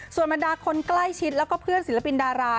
ส่วนบรรดาคนใกล้ชิดแล้วก็เพื่อนศิลปินดารา